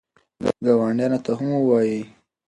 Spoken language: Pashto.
ګاونډیانو ته هم ووایئ.